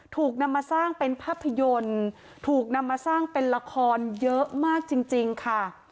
ถูกนำมาสร้างเป็นภาพยนตร์ถูกนำมาสร้างเป็นละครเยอะมากจริงค่ะ